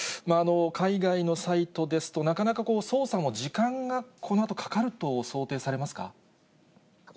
海外のサイトですと、なかなか捜査も時間が、このあとかかると想定されますか。